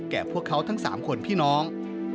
พวกเขาทั้ง๓คนพี่น้อง